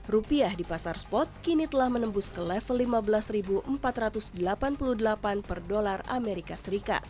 rupiah di pasar spot kini telah menembus ke level lima belas empat ratus delapan puluh delapan per dolar as